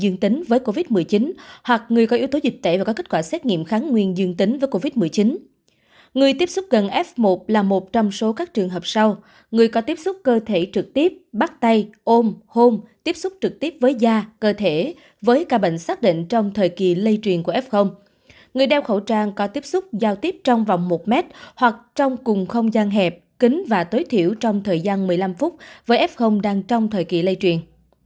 người đeo khẩu trang có tiếp xúc giao tiếp trong vòng một mét hoặc trong cùng không gian hẹp kính và tối thiểu trong thời gian một mươi năm phút với f đang trong thời kỷ lây truyền